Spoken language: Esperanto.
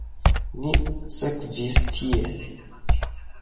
Ni sekvis tien.